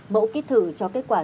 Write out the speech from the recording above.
mẫu kích thử cho kết quả